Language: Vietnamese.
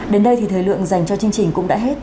đến đây thì thời lượng dành cho chương trình cũng đã hết